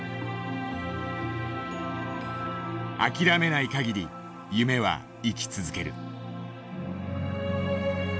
「諦めない限り夢は生き続ける」。